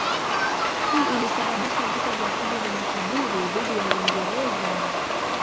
Hii ilisababisha vita vya pili vya Makaburu dhidi ya Uingereza.